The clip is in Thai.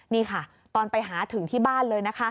นี่ค่ะตอนไปหาถึงที่บ้านเลยนะคะ